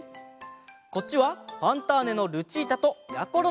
こっちは「ファンターネ！」のルチータとやころのえ。